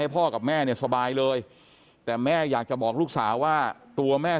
พ่อกับแม่เนี่ยสบายเลยแต่แม่อยากจะบอกลูกสาวว่าตัวแม่